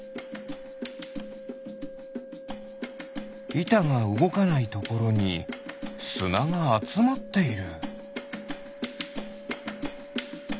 いたがうごかないところにすながあつまっている。